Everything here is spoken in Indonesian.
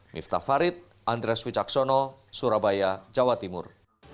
miftah farid andres wicaksono surabaya jawa timur